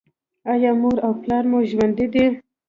ایا مور او پلار مو ژوندي دي؟